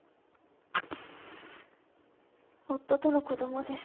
夫との子供です。